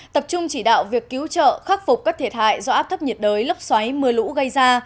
tập trung chỉ đạo việc cứu trợ khắc phục các thiệt hại do áp thấp nhiệt đới lốc xoáy mưa lũ gây ra